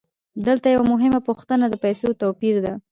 دلته یوه مهمه پوښتنه د پیسو د توپیر ده